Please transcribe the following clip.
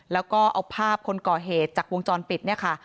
แล้วก็เอาภาพคนก่อเหตุจากวงจรปิดเนี่ยค่ะ